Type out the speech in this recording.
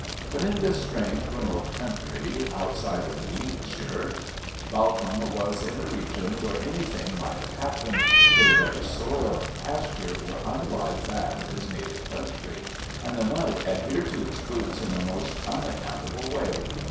But in this strange, remote country, outside of "Wiltsheer," Bawcombe was in a region where anything might have happened, where the very soil and pasture were unlike that of his native country, and the mud adhered to his boots in a most unaccountable way.